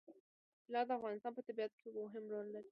طلا د افغانستان په طبیعت کې مهم رول لري.